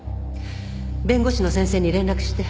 弁護士の先生に連絡して。